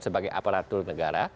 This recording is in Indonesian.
sebagai aparatur negara